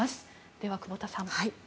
では、久保田さん。